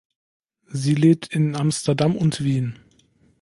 Sie lebt in Amsterdam und Wien.